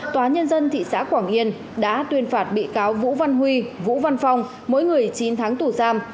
tòa nhân dân thị xã quảng yên đã tuyên phạt bị cáo vũ văn huy vũ văn phong mỗi người chín tháng tù giam